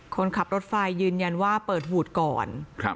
คนขับรถไฟยืนยันว่าเปิดหูดก่อน